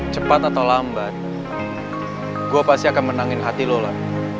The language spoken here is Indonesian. cepat atau lambat gua pasti akan menangin hati lu lah